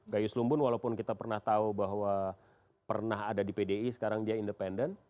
gayus lumbun walaupun kita pernah tahu bahwa pernah ada di pdi sekarang dia independen